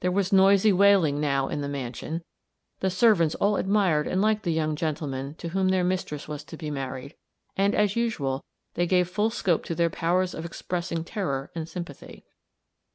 There was noisy wailing now in the mansion; the servants all admired and liked the young gentleman to whom their mistress was to be married; and, as usual, they gave full scope to their powers of expressing terror and sympathy.